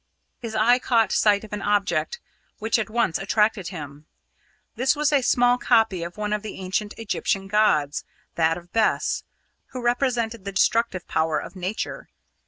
His eye caught sight of an object which at once attracted him. This was a small copy of one of the ancient Egyptian gods that of Bes, who represented the destructive power of nature.